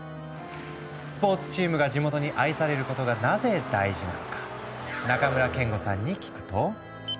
スポーツチームが地元に愛されることがなぜ大事なのか中村憲剛さんに聞くと。